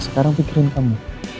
sekarang pikirin kamu